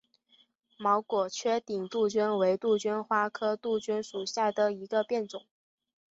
毛果缺顶杜鹃为杜鹃花科杜鹃属下的一个变种。